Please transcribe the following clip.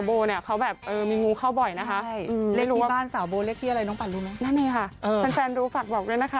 โอ้โฮทุกคนลุกครับ